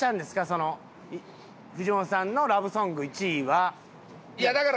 その藤本さんのラブソング１位は。